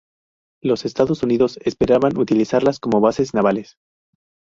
Los Estados Unidos esperaban utilizarlas como bases navales.